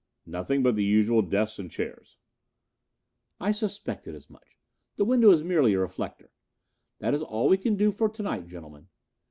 "Nothing but the usual desks and chairs." "I suspected as much. The window is merely a reflector. That is all that we can do for to night, gentlemen.